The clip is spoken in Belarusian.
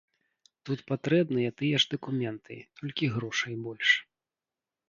Тут патрэбныя тыя ж дакументы, толькі грошай больш.